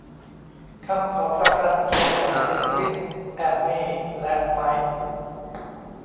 คำขอประกันตัวของเพนกวิน แอมมี่ และไมค์